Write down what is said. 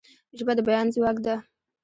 ژبه د بیان ځواک ده.